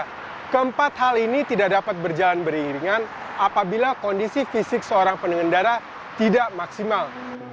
nah keempat hal ini tidak dapat berjalan beriringan apabila kondisi fisik seorang pengendara tidak maksimal